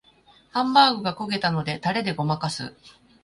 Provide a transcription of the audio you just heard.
ハンバーグが焦げたのでタレでごまかす